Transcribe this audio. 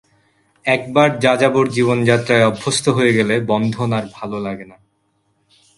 একবার যাযাবর জীবনযাত্রায় অভ্যস্ত হয়ে গেলে বন্ধন আর ভালো লাগে না।